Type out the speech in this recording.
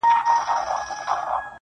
پوره اته دانې سمعان ويلي كړل,